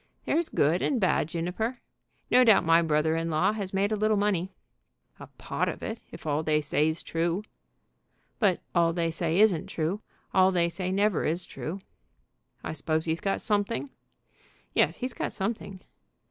"There's good and bad, Juniper. No doubt my brother in law has made a little money." "A pot of it, if all they say's true." "But all they say isn't true. All they say never is true." "I suppose he's got something?" "Yes, he's got something."